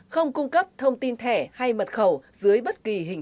không cung cấp thông tin thẻ hay mật khẩu dưới bất kỳ hình